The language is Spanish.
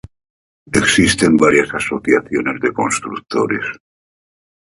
Existen varias asociaciones de constructores.